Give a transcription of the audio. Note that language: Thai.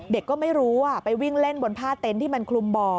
เด็กก็ไม่รู้ไปวิ่งเล่นบนผ้าเต็นต์ที่มันคลุมบ่อ